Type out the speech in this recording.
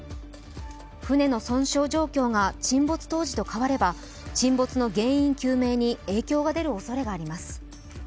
船の損傷状況が沈没当時と変われば沈没の原因究明に影響が出るおそれがあります。